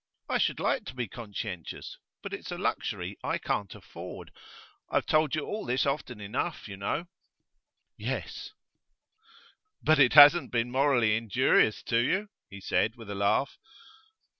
I should like to be conscientious, but it's a luxury I can't afford. I've told you all this often enough, you know.' 'Yes.' 'But it hasn't been morally injurious to you,' he said with a laugh.